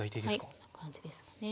はいこんな感じですかね。